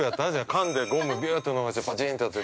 かんで、ゴムびゅうっと伸ばしてパチンとやって。